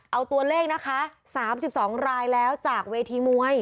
เอาตัวเลขนะคะ๓๒รายแล้วจากเวทีมวย